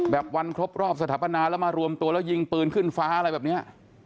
วันครบรอบสถาปนาแล้วมารวมตัวแล้วยิงปืนขึ้นฟ้าอะไรแบบนี้